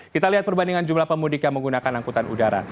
kita lihat perbandingan jumlah pemudik yang menggunakan angkutan udara